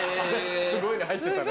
すごいの入ってたな。